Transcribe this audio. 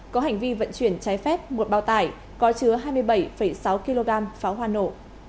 có hành vi vận chuyển trái phép một bao tải có chứa hai mươi bảy sáu kg pháo hoa nổ